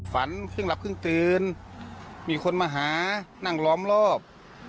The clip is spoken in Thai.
ฝันครึ่งหลับครึ่งตื่นมีคนมาหานั่งล้อมรอบ